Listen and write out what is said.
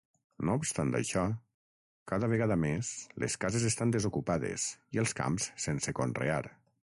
No obstant això, cada vegada més, les cases estan desocupades, i els camps sense conrear.